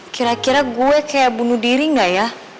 kira kira gue kayak bunuh diri nggak ya